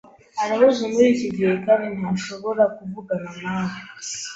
Arahuze muri iki gihe kandi ntashobora kuvugana nawe.